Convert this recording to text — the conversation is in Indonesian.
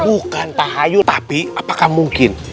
bukan tak hayul tapi apakah mungkin